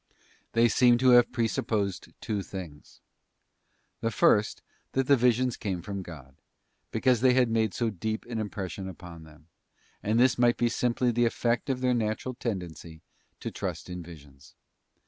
Rolly ot pray They seem to have presupposed two things—the first, that trusting in the visions came from God, because they had made so deep an impression upon them; and this might be simply the effect of their natural tendency to trust in visions.